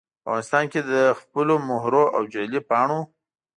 په افغانستان کې دخپلو مهرو او جعلي پاڼو